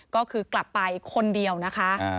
ก็คือกลับไปคนเดียวนะคะ